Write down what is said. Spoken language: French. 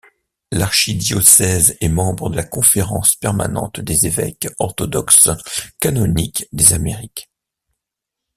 L'archidiocèse est membre de la Conférence permanente des Évêques orthodoxes canoniques des Amériques.